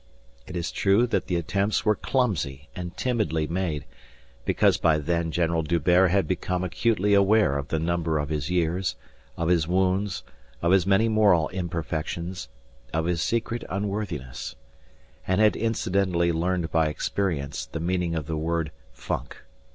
It is true that the attempts were clumsy and timidly made, because by then General D'Hubert had become acutely aware of the number of his years, of his wounds, of his many moral imperfections, of his secret unworthiness and had incidentally learned by experience the meaning of the word funk.